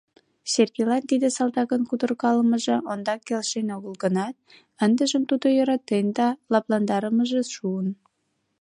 Сергейлан тиде салтакын кутыркалымыже ондак келшен огыл гынат, ындыжым тудым йӧратен да лыпландарымыже шуын.